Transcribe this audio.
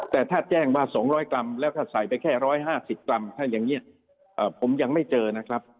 แต่ถ้าแจ้งมา๒๐๐กรัมแล้วถ้าใส่ไปแค่๑๕๐กรัมถ้าอย่างนี้ผมยังไม่เจอนะครับ